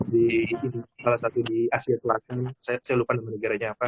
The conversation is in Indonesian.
di salah satu di asia selatan saya lupa nama negaranya apa